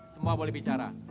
semua boleh bicara